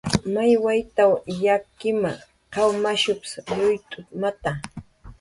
"May wayt""w yakkima, qaw mashups yuyt'utmata"